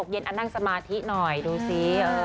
เย็นอันนั่งสมาธิหน่อยดูสิ